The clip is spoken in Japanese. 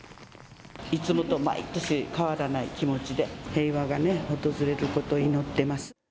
いつもと毎年変わらない気持ちで、平和がね、訪れることを祈ってます。